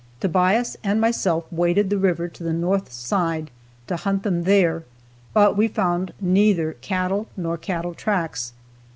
Tobias and myself waded the river to the north side to hunt them there, but we found neither cattle nor cattle tracks.